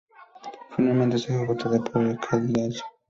Finalmente, es ejecutada en el cadalso.